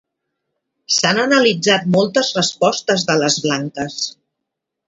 S'han analitzat moltes respostes de les blanques.